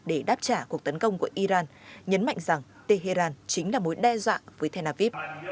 để đáp trả cuộc tấn công của iran nhấn mạnh rằng tehran chính là mối đe dọa với tel aviv